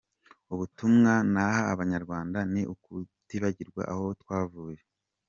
Ubutumwa naha abanyarwanda ni ukutibagirwa aho twavuye.